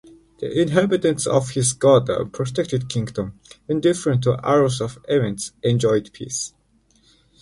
The inhabitants of his God-protected kingdom, indifferent to the arrows of events, enjoyed peace.